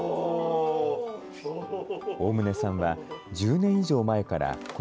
大棟さんは１０年以上前から、こ